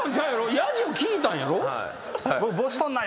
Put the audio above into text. ヤジを聞いたんやろ？